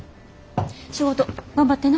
仕事頑張ってな。